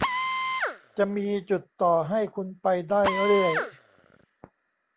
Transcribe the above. จะมีจุดต่อให้คุณไปได้เรื่อย